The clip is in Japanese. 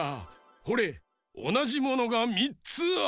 ほれおなじものが３つあるぞ。